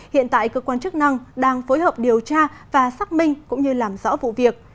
hiện tại cơ quan chức năng đang phối hợp điều tra và xác minh cũng như làm rõ vụ việc